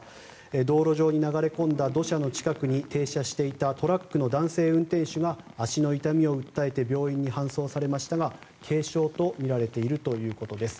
道路上に流れ込んだ土砂の近くに停車していたトラックの男性運転手が足の痛みを訴えて病院に搬送されましたが軽傷とみられているということです。